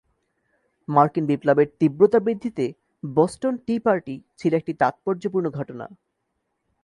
মার্কিন বিপ্লবের তীব্রতা বৃদ্ধিতে বোস্টন টি পার্টি ছিল এক তাৎপর্যপূর্ণ ঘটনা।